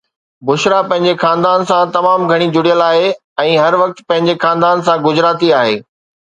بشرا پنهنجي خاندان سان تمام گهڻي جڙيل آهي ۽ هر وقت پنهنجي خاندان سان گجراتي آهي